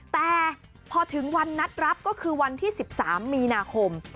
แต่พอถึงวันนัดรับก็คือวันที่๑๓มีนาคม